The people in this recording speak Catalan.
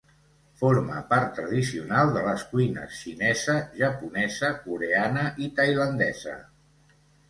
Forma part tradicional de les cuines xinesa, japonesa, coreana i tailandesa.